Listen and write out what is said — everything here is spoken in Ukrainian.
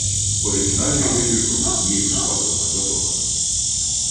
Оригінальний вибір пропонує й уславлена «Затока»